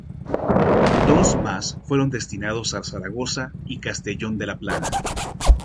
Dos más fueron destinados a Zaragoza y Castellón de la Plana.